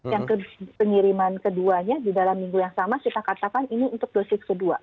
yang pengiriman keduanya di dalam minggu yang sama kita katakan ini untuk dosis kedua